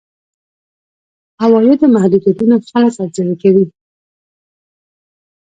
عوایدو محدودیتونه خلک ارزيابي کوي.